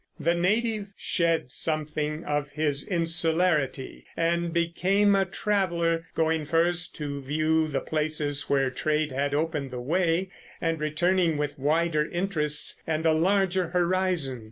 The native shed something of his insularity and became a traveler, going first to view the places where trade had opened the way, and returning with wider interests and a larger horizon.